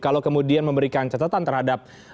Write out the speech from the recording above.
kalau kemudian memberikan catatan terhadap